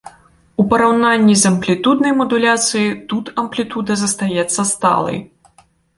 У параўнанні з амплітуднай мадуляцыяй тут амплітуда застаецца сталай.